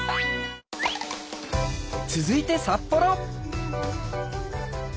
続いて札幌。